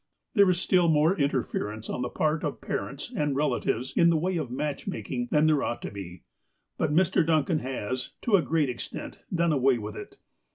There is still more interference on the part of parents and relatives in the way of match making than there ought to be, but Mr. Duncan has, to a great extent, done away with it.